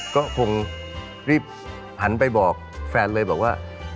ก็คงรีบหันไปบอกแฟนเลยบอกว่า